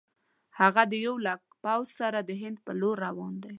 هغه د یو لک پوځ سره د هند پر لور روان دی.